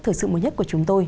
thời sự mới nhất của chúng tôi